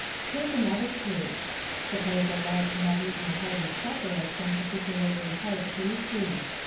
Take another case. Suppose a lad to have eaten a hearty supper of some particularly hard pastry.